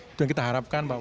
itu yang kita harapkan